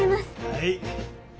はい。